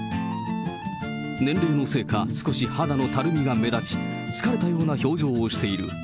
年齢のせいか少し肌のたるみが目立ち、疲れたような表情をしている。